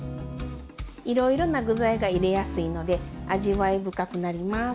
いろいろな具材が入れやすいので味わい深くなります。